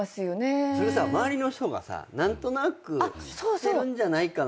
それさ周りの人がさ何となく知ってるんじゃないかな。